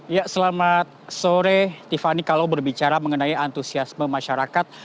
ya selamat sore tiffany kalau berbicara mengenai antusiasme masyarakat